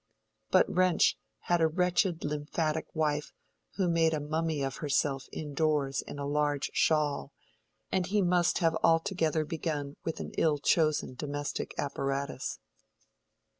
But Wrench had a wretched lymphatic wife who made a mummy of herself indoors in a large shawl; and he must have altogether begun with an ill chosen domestic apparatus.